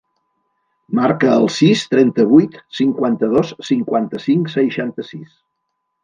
Marca el sis, trenta-vuit, cinquanta-dos, cinquanta-cinc, seixanta-sis.